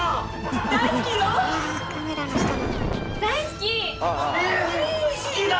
大好き！